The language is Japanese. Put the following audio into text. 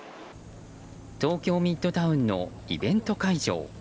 東京ミッドタウンのイベント会場。